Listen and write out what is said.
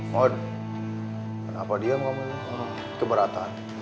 mund kenapa diam kamu ini keberatan